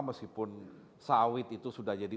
meskipun sawit itu sudah jadi